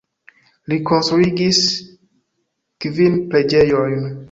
Li konstruigis kvin preĝejojn.